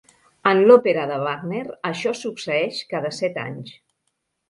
En l'òpera de Wagner, això succeeix cada set anys.